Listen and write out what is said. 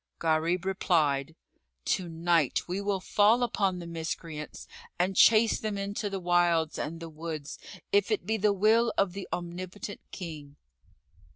Gharib replied, "To night we will fall upon the Miscreants and chase them into the wilds and the wolds if it be the will of the Omnipotent King."